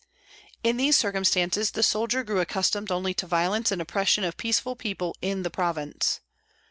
In these circumstances the soldier grew accustomed only to violence and oppression of peaceful people in the province.